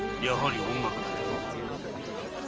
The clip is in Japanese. やはり女か。